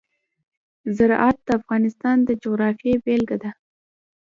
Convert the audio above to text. زراعت د افغانستان د جغرافیې بېلګه ده.